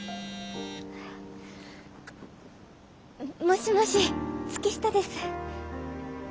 もしもし月下です。